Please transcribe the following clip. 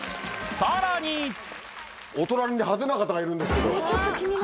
さらにお隣に派手な方がいるんですけど。